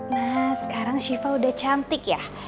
nah sekarang shiva udah cantik ya